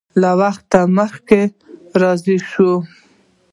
له وخت مخکې زاړه شو